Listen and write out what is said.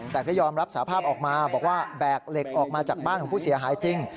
แต่ก็ยอมรับสาภาพออกมาบอกว่าแบกเหล็กออกมาจากบ้านของผู้เสียหายจริง